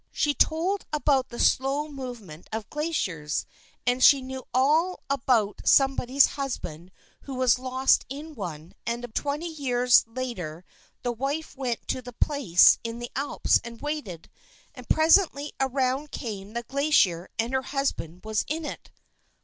She told about the slow movement of glaciers, and she knew all about somebody's husband who was lost in one, and twenty years later the wife went to the place in the Alps and waited, and presently around came the glacier and her husband was in it."